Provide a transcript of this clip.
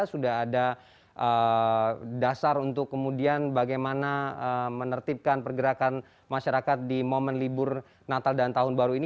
sudah ada dasar untuk kemudian bagaimana menertibkan pergerakan masyarakat di momen libur natal dan tahun baru ini